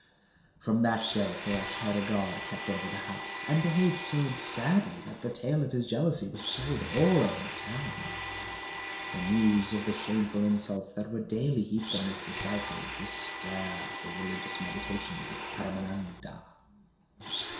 From that day Paresh had a guard kept over the house, and behaved so absurdly that the tale of his jealousy was told all over the town. The news of the shameful insults that were daily heaped on his disciple disturbed the religious meditations of Paramananda.